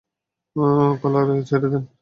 কলার ছেড়ে দেন, স্যার।